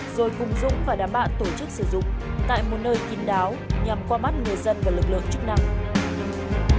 rồi cùng dũng và đảm bạn tổ chức sử dụng tại một nơi kinh đáo nhằm qua mắt người dân và lực lượng chức năng